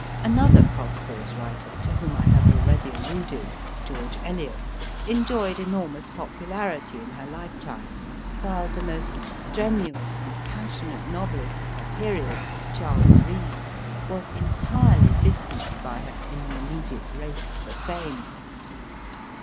Another prosperous writer, to whom I have already alluded, George Eliot, enjoyed enormous popularity in her lifetime, while the most strenuous and passionate novelist of her period, Charles Reade, was entirely distanced by her in the immediate race for Fame.